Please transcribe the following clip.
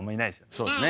そうですね